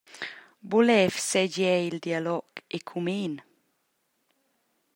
Buca levs seigi era il dialog ecumen.